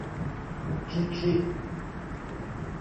คิคิ